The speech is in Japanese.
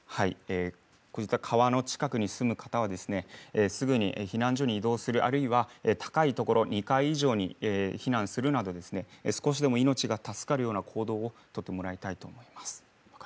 川の近くに住む方はすぐに避難所に移動するあるいは高いところ、２階以上に避難するなど少しでも命が助かる行動をとってもらいたいと思います。